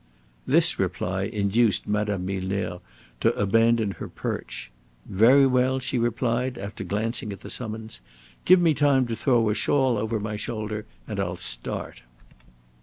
This reply induced Madame Milner to abandon her perch. "Very well," she replied after glancing at the summons; "give me time to throw a shawl over my shoulder, and I'll start."